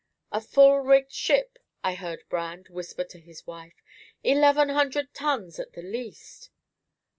"A full rigged ship," I heard Brand whisper to his wife. "Eleven hundred tons at the least."